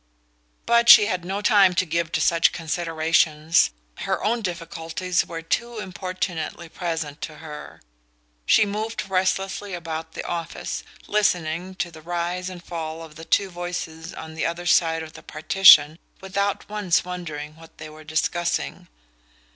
But she had no time to give to such considerations. Her own difficulties were too importunately present to her. She moved restlessly about the office, listening to the rise and fall of the two voices on the other side of the partition without once wondering what they were discussing.